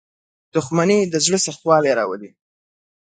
• دښمني د زړه سختوالی راولي.